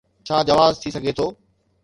ڇا جواز ٿي سگهي ٿو؟'